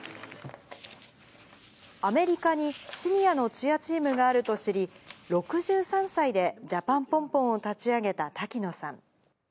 アメリカにシニアのチアチームがあると知り、６３歳でジャパンポンポンを立ち上げた滝野さん。